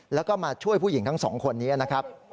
แล้วก็มาช่วยผู้หญิงทั้งสองคนนี้นะครับ